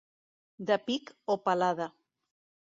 De pic o palada.